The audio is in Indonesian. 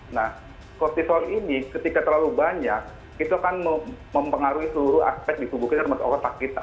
nah kortisol ini ketika terlalu banyak itu akan mempengaruhi seluruh aspek di tubuh kita termasuk otak kita